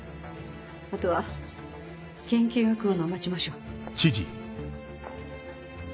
あとは県警が来るのを待ちましょう。